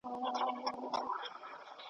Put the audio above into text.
ژبپوهنې، لرغونپوهنې، تاریخي متونو